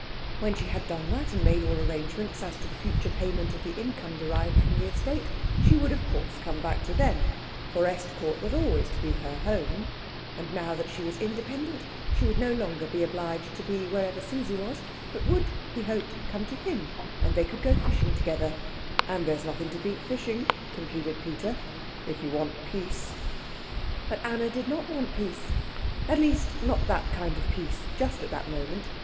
When she had done that, and made all arrangements as to the future payment of the income derived from the estate, she would of course come back to them; for Estcourt was always to be her home, and now that she was independent she would no longer be obliged to be wherever Susie was, but would, he hoped, come to him, and they could go fishing together, "and there's nothing to beat fishing," concluded Peter, "if you want peace." But Anna did not want peace; at least, not that kind of peace just at that moment.